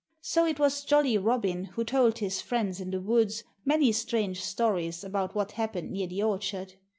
So it was Jolly Robin who told his friends in the woods many strange stories about what happened near the orchard.